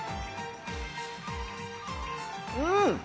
うん！